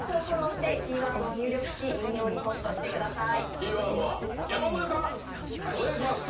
キーワードは山添さん、お願いします。